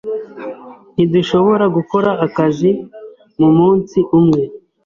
Ntidushobora gukora akazi mumunsi umwe.